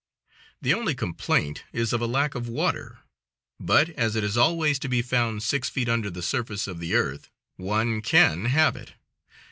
The only complaint is of the lack of water, but as it is always to be found six feet under the surface of the earth one can have it.